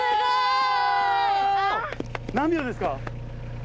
何秒ですか？